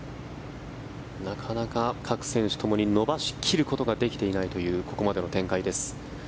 なかなか各選手ともに伸ばし切ることができていないというここまでの展開です。